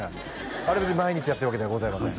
あれ別に毎日やってるわけではございません